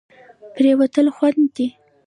پرېوتل خوند دی.